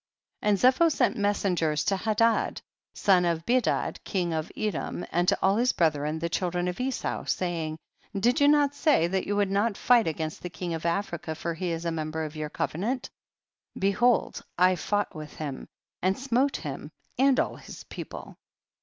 10. And Zepho sent messengers to Hadad, son of Bedad, king of Edom, and to all his brethren the children of Esau, saying, 1 1 . Did you not say that you would not fight against the king of Africa for he is a member of yoiir covenant ? behold I fought with him and smote him and all his people.